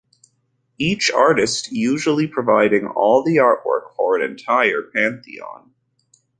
Each artist usually providing all the artwork for an entire pantheon.